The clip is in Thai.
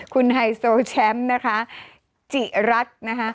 คุณไฮโซแชมป์นะคะจิรัตน์นะคะ